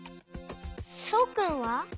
そうくんは？